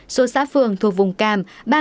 số xã phường thuộc vùng cam